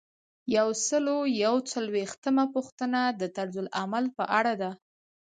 یو سل او یو څلویښتمه پوښتنه د طرزالعمل په اړه ده.